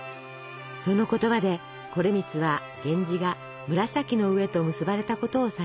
その言葉で惟光は源氏が紫の上と結ばれたことを察します。